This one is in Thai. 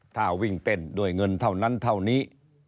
ถ้าวิ่งเต้นด้วยเงินเท่านั้นเท่านี้